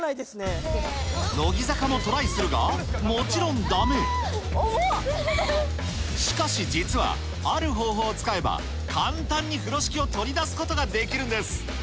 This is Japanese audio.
するがもちろんダメしかし実はある方法を使えば簡単に風呂敷を取り出すことができるんです